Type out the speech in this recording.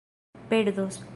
perdos